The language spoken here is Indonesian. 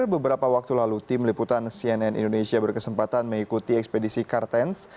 beberapa waktu lalu tim liputan cnn indonesia berkesempatan mengikuti ekspedisi kartens